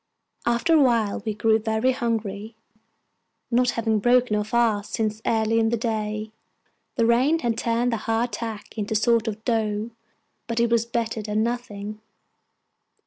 After a while we grew very hungry, not having broken our fast since early in the day. The rain had turned the hard tack into a sort of dough; but it was better than nothing.